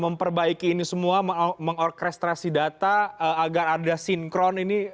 memperbaiki ini semua mengorkestrasi data agar ada sinkron ini